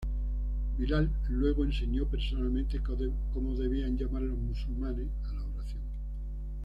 Bilal luego enseñó personalmente cómo debían llamar los musulmanes a la oración.